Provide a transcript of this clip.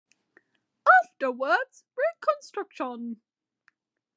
Afterwards - reconstruction.